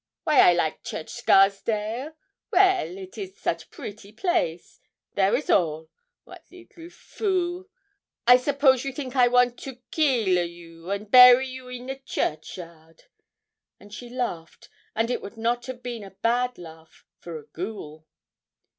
Wy I like Church Scarsdale? Well, it is such pretty place. There is all! Wat leetle fool! I suppose you think I want to keel a you and bury you in the churchyard?' And she laughed, and it would not have been a bad laugh for a ghoul.